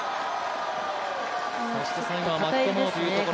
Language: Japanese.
そして最後は巻き込もうというところ。